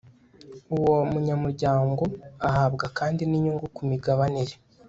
uwo munyamuryango ahabwa kandi n'inyungu ku migabane ye